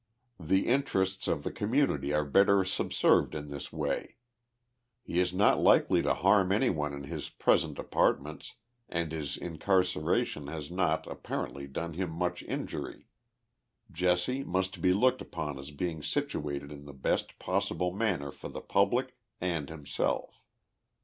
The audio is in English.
The interests of the community are better subserved in this way. He is not likely to harm any one in his present apartments and his incarcer ation has not, apparently, done him much injury. Jesse must be looked upon as being situated in the best possible manner for the public and himself.